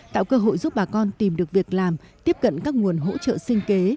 tạo cơ hội giúp bà con tìm được việc làm tiếp cận các nguồn hỗ trợ sinh kế